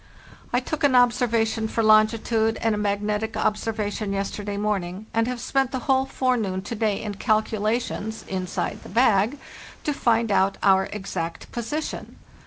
| took an observation for longitude and a magnetic obser vation yesterday morning, and have spent the whole fore noon to day in calculations (inside the bag) to find out our exact position.